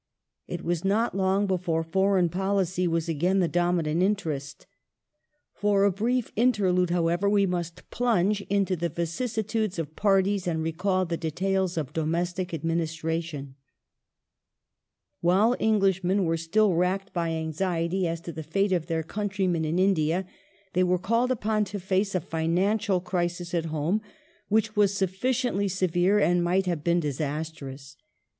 It was not long before foreign policy was again the dominant interest. For a brief inter lude, however, we must plunge into the vicissitudes of parties and recall the details of domestic administration. Financial While Englishmen were still racked by anxiety as to the fate crisis, q£, lY^QYj. countrymen in India, they were called upon to face a ber, 1857 financial crisis at home, which was sufficiently severe and might have been disastrous.